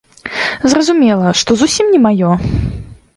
Зразумела, што зусім не маё.